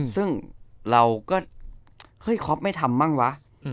ซึ่งเราก็เฮ้ยคอปไม่ทำบ้างวะ